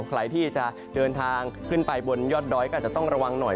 ใครที่จะเดินทางขึ้นไปบนยอดดอยก็อาจจะต้องระวังหน่อย